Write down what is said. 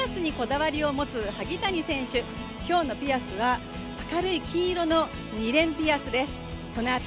そしてピアスにこだわりを持つ萩谷選手、今日のピアスは明るい黄色の２連ピアスです。